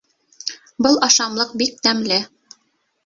Был ашамлыҡ бик тәмле.